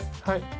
はい。